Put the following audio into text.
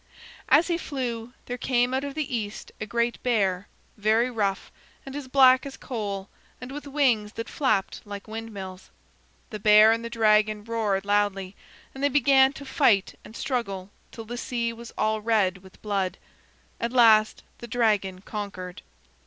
As he flew, there came out of the east a great bear, very rough, and as black as coal, and with wings that flapped like windmills. The bear and the dragon roared loudly, and they began to fight and struggle till the sea was all red with blood. At last the dragon conquered.